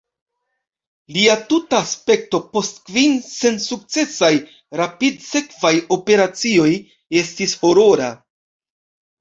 Lia tuta aspekto post kvin sensukcesaj rapidsekvaj operacioj estis horora.